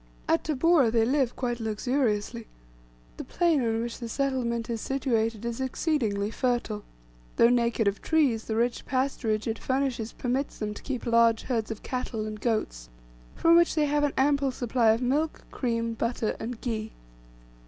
At Tabora they live quite luxuriously. The plain on which the settlement is situated is exceedingly fertile, though naked of trees; the rich pasturage it furnishes permits them to keep large herds of cattle and goats, from which they have an ample supply of milk, cream, butter, and ghee.